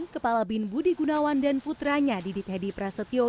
kepala bin budi gunawan dan putranya didit hedi prasetyo